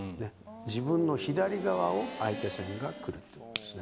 自分の左側を、相手さんが来るということですね。